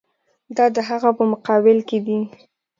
دا د هغه په مقابل کې دي.